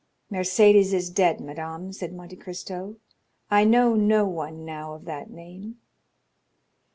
"Mercédès is dead, madame," said Monte Cristo; "I know no one now of that name."